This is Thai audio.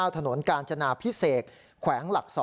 ถนนกาญจนาพิเศษแขวงหลัก๒